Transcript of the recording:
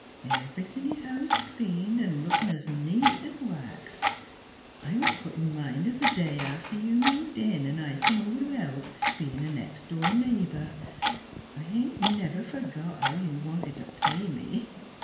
Everything is house cleaned & looking as neat as wax. I was put in mind of the day after you moved in and I come over to help, being a next door neighbor. I ain't never forgot how you wanted to pay me.